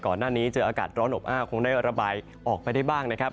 ก่อนหน้านี้เจออากาศร้อนอบอ้าวคงได้ระบายออกไปได้บ้างนะครับ